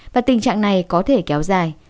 và tình trạng này có thể kéo dài